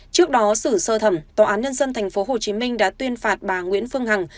trước đó xử sơ thẩm tòa án nhân dân tp hcm đã tuyên phạt bà nguyễn phương hằng